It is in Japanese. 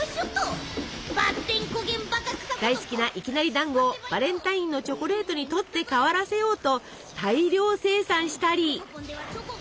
大好きないきなりだんごをバレンタインのチョコレートに取って代わらせようと大量生産したり。